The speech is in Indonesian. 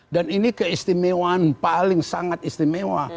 dan ini keistimewaan paling sangat istimewa